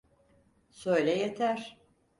Söyle yeter.